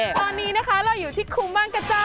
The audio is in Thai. ตอนนี้นะคะเราอยู่ที่ครูบ้านกระเจ้า